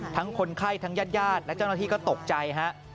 คนไข้ทั้งญาติญาติและเจ้าหน้าที่ก็ตกใจฮะ